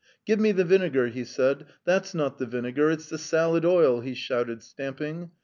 "Give me the vinegar!" he said. "That's not the vinegar it's the salad oil!" he shouted, stamping.